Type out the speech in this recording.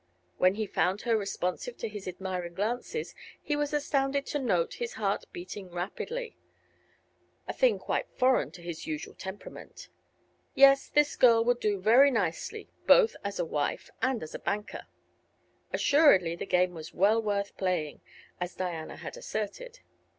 When he found her responsive to his admiring glances he was astounded to note his heart beating rapidly a thing quite foreign to his usual temperament. Yes, this girl would do very nicely, both as a wife and as a banker. Assuredly the game was well worth playing, as Diana had asserted.